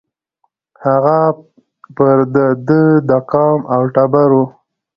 هغه پر د ده د قام او د ټبر وو